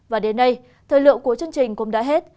và đến đây thời lượng của chương trình cũng đã hết